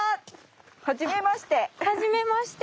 はじめまして。